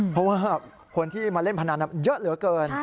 เพราะว่าคนที่มาเล่นพนันเยอะเหลือเกิน